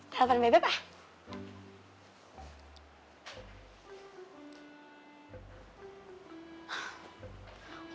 kita makan bebek ah